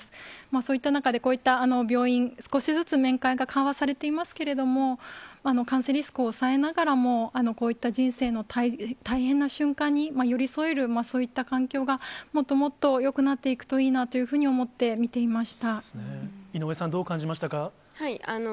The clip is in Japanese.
そういった中でこういった病院、少しずつ面会が緩和されていますけれども、感染リスクを抑えながらも、こういった人生の大変な瞬間に寄り添える、そういった環境がもっともっとよくなっていくといいなというふう井上さん、どう感じましたか。